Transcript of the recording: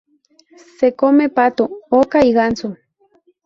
Se come pato, oca y ganso.